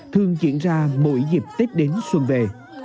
thường diễn ra mỗi dịp tết đến xuân về